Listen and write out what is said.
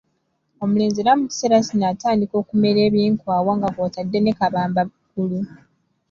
Omulenzi era mu kiseera kino atandika okumera eby'enkwawa nga kw'otadde ne kabamba ggulu.